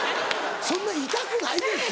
そんなイタくないですよ。